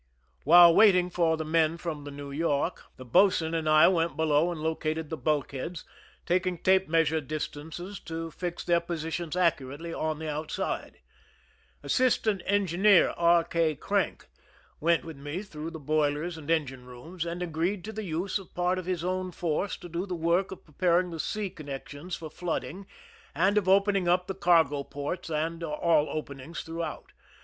While waiting for the men from the New Yorkj 36 ASSlSTAXT EXCaXEEK R.QBERT K. CKAXK. THE SCHEME AND THE PEEPAEATIONS the boatswain and I went below and located the bulkheads, taking tape measure distances to fix their positions accurately on the outside. Assis tant Engineer R. K. Crank went with me through the boiler and €)ngine rooms, and agreed to the use of part of his own force to do the work of preparing the sea couDections for flooding and of opening up the cargo ports and all openings throughout.